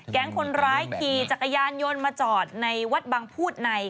คนร้ายขี่จักรยานยนต์มาจอดในวัดบางพูดใน